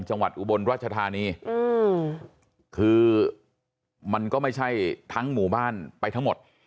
อุบลราชธานีคือมันก็ไม่ใช่ทั้งหมู่บ้านไปทั้งหมด